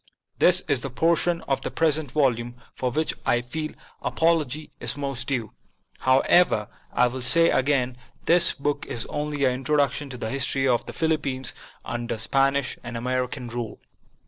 This is the portion of the present volume for which I feel apology is most due. However, I will say again, this book is only an introduction to the history of the Philippines under Spanish and American rule.